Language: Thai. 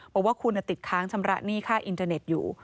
บอกว่าคุณติดค้างชำระหนี้ค่าอินเทอร์เน็ตอยู่